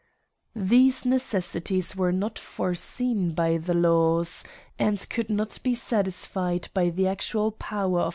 These necessities were not foreseen by the laws, . ^nd could not be satisfied by the actual power of CRIMES AND PUNISHMENTS.